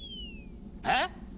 えっ？